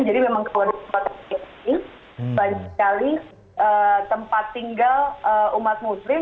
jadi memang keluar dari tempat ini banyak sekali tempat tinggal umat muslim